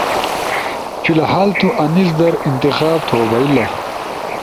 فی الھال تو انیس در انتخاب تھو بئیلا۔